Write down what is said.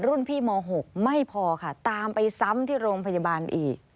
รุ่นพี่ม๖ไม่พอค่ะตามไปซ้ำที่โรงพยาบาลอีก